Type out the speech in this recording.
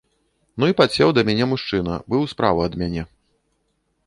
Ну і падсеў да мяне мужчына, быў справа ад мяне.